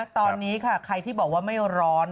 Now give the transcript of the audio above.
ตอนนี้ค่ะใครที่บอกว่าไม่ร้อน